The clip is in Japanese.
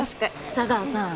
佐川さん